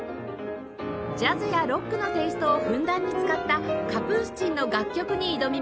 ジャズやロックのテイストをふんだんに使ったカプースチンの楽曲に挑みます